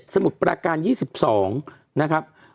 มุดประการ๒๒นะครับ